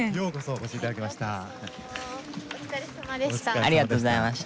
お疲れさまでした。